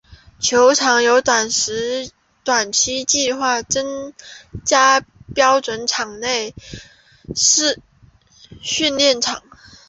球场有短期计划增加标准室内训练场。